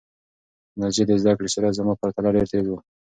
د نازيې د زده کړې سرعت زما په پرتله ډېر تېز و.